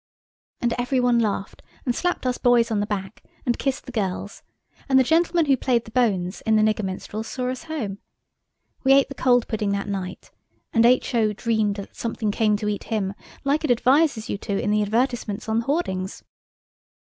And every one laughed and slapped us boys on the back and kissed the girls, and the gentleman who played the bones in the nigger minstrels saw us home. We ate the cold pudding that night, and H.O. dreamed that something came to eat him, like it advises you to in the advertisements on the hoardings.